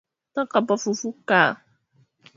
Nitakapofufuka,